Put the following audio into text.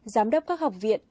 giám đốc các học viện